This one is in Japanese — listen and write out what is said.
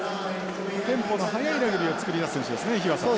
テンポの速いラグビーを作り出す選手ですね日和佐は。